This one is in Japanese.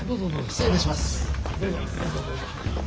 失礼します。